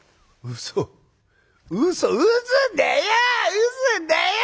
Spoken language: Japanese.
「うそだよ！